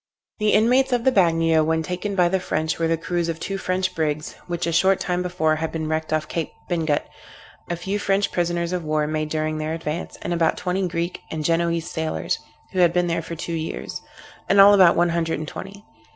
The inmates of the Bagnio when taken by the French were the crews of two French brigs, which a short time before had been wrecked off Cape Bingut, a few French prisoners of war made during their advance, and about twenty Greek, and Genoese sailors, who had been there for two years; in all about one hundred and twenty.